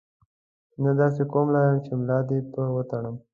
نه داسې قوم لرم چې ملا دې په وتړم.